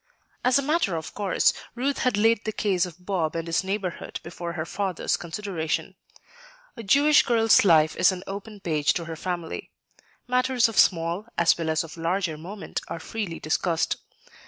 As a matter of course, Ruth had laid the case of Bob and his neighborhood before her father's consideration. A Jewish girl's life is an open page to her family. Matters of small as well as of larger moment are freely discussed.